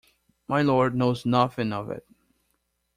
My Lord knows nothing of it.